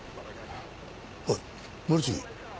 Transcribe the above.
おい森杉。